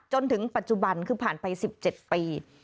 จนถึงปัจจุบันคือผ่านไป๑๗ปี